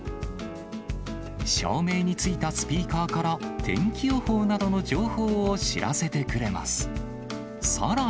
照明についたスピーカーから天気予報などの情報を知らせてくれます。